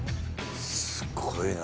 ・すごいな。